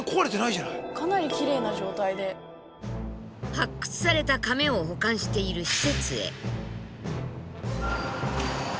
発掘されたカメを保管している施設へ。